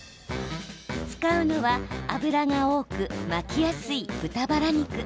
使うのは脂が多く巻きやすい豚バラ肉。